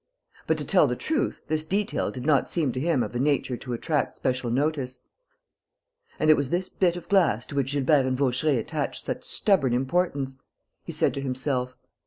But, to tell the truth, this detail did not seem to him of a nature to attract special notice. "And it was this bit of glass to which Gilbert and Vaucheray attached such stubborn importance!" he said to himself.